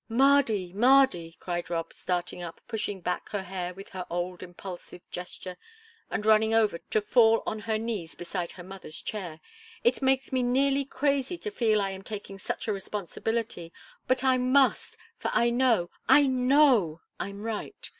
"Mardy, Mardy," cried Rob, starting up, pushing back her hair with her old, impulsive gesture, and running over to fall on her knees beside her mother's chair, "it makes me nearly crazy to feel I am taking such a responsibility, but I must, for I know, I know I'm right!